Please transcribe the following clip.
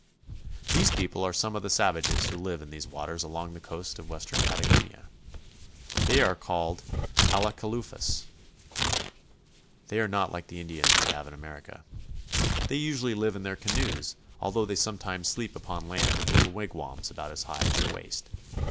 Each has a fire in its center." These people are some of the savages who live in these waters along the coast of western Patagonia. They are called Alacalufes (a la ka loo'fes). They are not like the Indians we have in America. They usually live in their canoes, although they sometimes sleep upon land in little wigwams about as high as your waist.